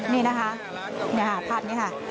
นี่นะคะภาพนี้ค่ะ